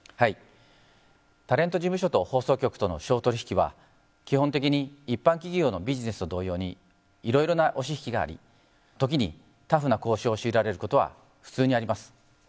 タレント事務所と放送局との商取引は基本的に一般企業のビジネスと同様にいろいろな押し引きがあり時に、タフな交渉を強いられることは普通にあります。